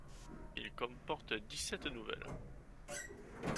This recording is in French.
Il comporte dix-sept nouvelles.